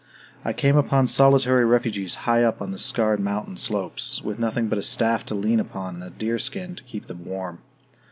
I came upon solitary refugees high up on the scarred mountain slopes, with nothing but a staff to lean upon and a deer skin to keep them warm.